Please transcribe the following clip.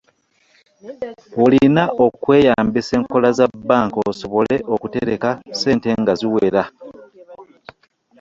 Olina okweyambisa enkola za bbanka osobole okutereka ku ssente nga ziwera.